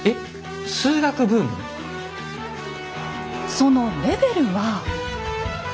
そのレベルは。